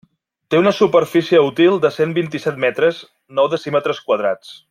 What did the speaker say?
Té una superfície útil de cent vint-i-set metres, nou decímetres quadrats.